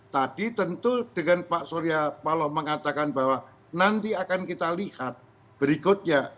tadi tentu dengan pak surya paloh mengatakan bahwa nanti akan kita lihat berikutnya